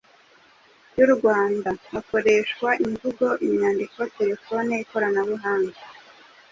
y’u Rwanda. Hakoreshwa imvugo, inyandiko, terefoni, ikoranabuhanga